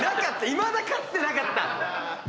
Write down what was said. いまだかつてなかった！